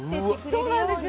そうなんですよ。